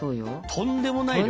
とんでもない量よ。